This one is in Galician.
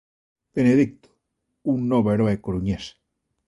Benedicto, un novo heroe coruñés.